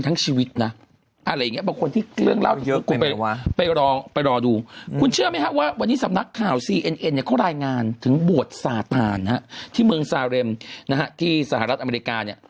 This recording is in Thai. ที่เมืองซาเลมที่สหรัฐอเมริกาเนี่ย